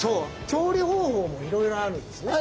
調理方法もいろいろあるんですね。